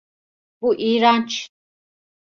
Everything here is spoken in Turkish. Bu iğrenç.